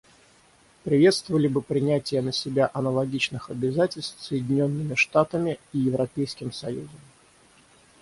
Приветствовали бы принятие на себя аналогичных обязательств Соединенными Штатами и Европейским союзом.